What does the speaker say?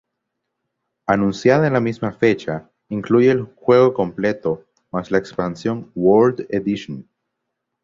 Anunciada en la misma fecha, incluye el juego completo más la expansión "World Edition.